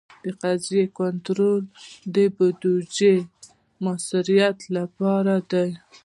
قضایي کنټرول د بودیجې د مؤثریت لپاره دی.